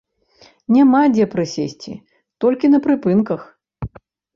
Няма дзе прысесці, толькі на прыпынках!